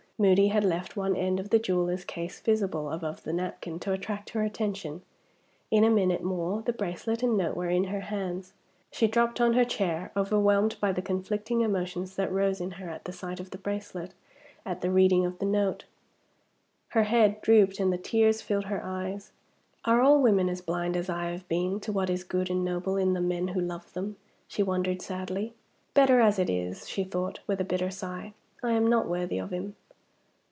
Moody had left one end of the jeweler's case visible above the napkin, to attract her attention. In a minute more the bracelet and note were in her hands. She dropped on her chair, overwhelmed by the conflicting emotions that rose in her at the sight of the bracelet, at the reading of the note. Her head drooped, and the tears filled her eyes. "Are all women as blind as I have been to what is good and noble in the men who love them?" she wondered, sadly. "Better as it is," she thought, with a bitter sigh; "I am not worthy of him."